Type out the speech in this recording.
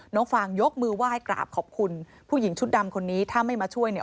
ฟางยกมือไหว้กราบขอบคุณผู้หญิงชุดดำคนนี้ถ้าไม่มาช่วยเนี่ย